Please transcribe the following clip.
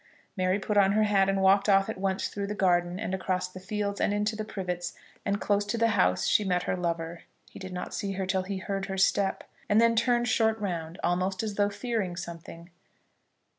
Mary put on her hat and walked off at once through the garden and across the fields, and into the Privets; and close to the house she met her lover. He did not see her till he heard her step, and then turned short round, almost as though fearing something.